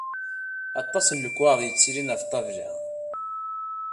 Aṭas n lekkwaɣeḍ yettilin ɣef ṭṭabla